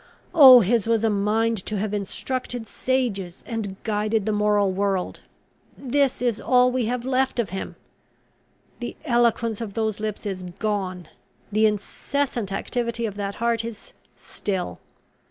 Oh, his was a mind to have instructed sages, and guided the moral world! This is all we have left of him! The eloquence of those lips is gone! The incessant activity of that heart is still!